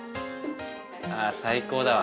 ああ最高だわ。